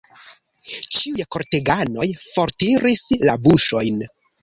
Ĉiuj korteganoj fortiris la buŝojn.